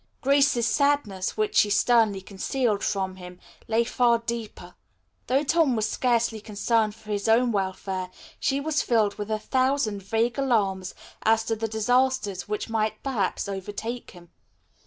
Grace's sadness, which she sternly concealed from him, lay far deeper. Though Tom was scarcely concerned for his own welfare, she was filled with a thousand vague alarms as to the disasters which might perhaps overtake him.